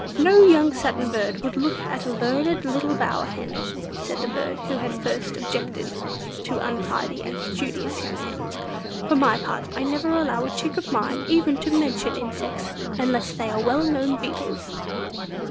No young Satin Bird would look at a learned little bower hen, said the bird who had first objected to untidy and studious young hens. "For my part, I never allow a chick of mine even to mention insects, unless they are well known beetles!"